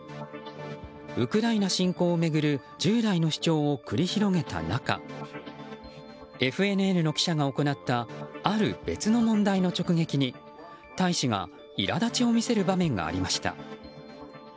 ウクライナ侵攻を巡る従来の主張を繰り広げた中ＦＮＮの記者が行ったある別の問題の直撃に大使がいらだちを見せる場面がありました。